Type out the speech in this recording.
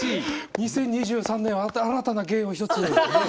２０２３年はまた新たな芸を一つ。